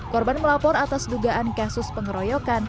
korban melapor atas dugaan kasus pengeroyokan